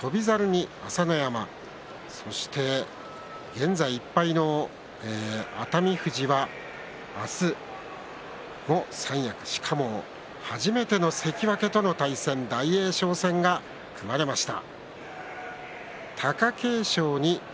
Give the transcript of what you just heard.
現在１敗の熱海富士は明日、三役しかも初めての関脇との対戦大栄翔戦が組まれました。